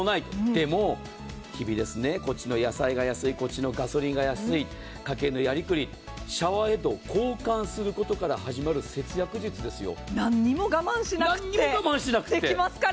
でも日々、こっちの野菜が安い、こっちのガソリンが安い、家計のやりくり、シャワーヘッドを交換することから始まる何にも我慢しなくてできますから。